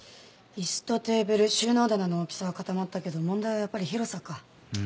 椅子とテーブル収納棚の大きさは固まったけど問題はやっぱり広さか。